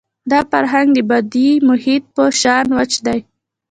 دا فرهنګ د بدوي محیط په شان وچ دی.